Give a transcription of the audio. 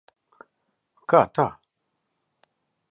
Kā tā?